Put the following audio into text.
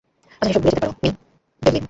আচ্ছা, সেসব ভুলে যেতে পারো, মিঃ - ডেভলিন।